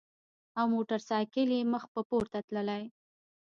او موټر ساېکلې مخ پۀ پورته تللې ـ